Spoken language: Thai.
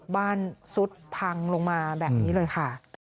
ซุดพังลงมาแบบนี้เลยค่ะ